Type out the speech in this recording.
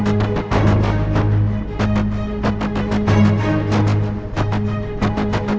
nah di sini s ever distraction mungkin bisa sek refrain